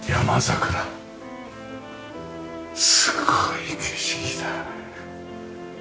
すごい景色だ。